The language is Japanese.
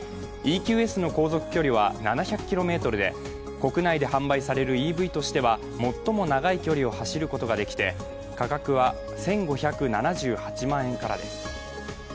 ＥＱＳの航続距離は７００ｋｍで国内で販売されるＥＶとしては最も長い距離を走ることができて価格は１５７８万円からです。